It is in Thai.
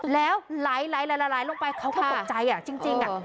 แล้วไหลลงไปเขาก็ตกใจจริง